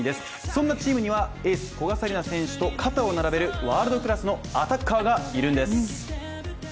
そんなチームには古賀紗理那選手と肩を並べるワールドクラスのアタッカーがいるんです。